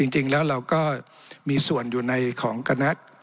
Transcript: จริงแล้วเราก็มีส่วนอยู่ในของคณะ